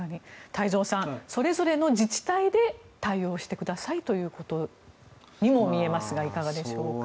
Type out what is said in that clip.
太蔵さん、それぞれの自治体で対応してくださいということにも見えますがいかがでしょうか。